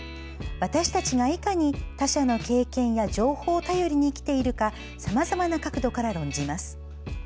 私たちが、いかに他者の経験や情報を頼りに生きているかさまさまな角度から論じます。